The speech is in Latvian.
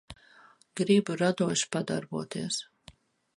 Gribu radoši padarboties.